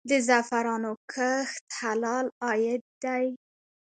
د زعفرانو کښت حلال عاید دی؟